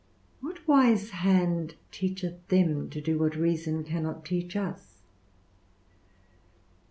what wise hand teacheth them to do what reason cannot teach us?